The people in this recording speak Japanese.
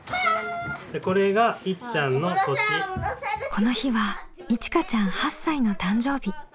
この日はいちかちゃん８歳の誕生日。